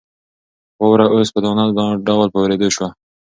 واوره اوس په دانه دانه ډول په اورېدو شوه.